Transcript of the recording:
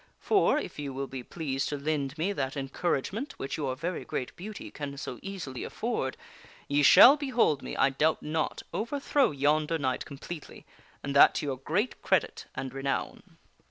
For, if ye will be pleased to lend me that encouragement which your very great beauty can so easily afford, ye shall behold me, I doubt not, overthrow yonder knight completely, and that to your great credit and renown."